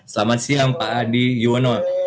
selamat siang pak adi yuwono